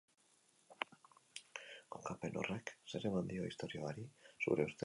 Kokapen horrek zer eman dio istorioari, zure ustez?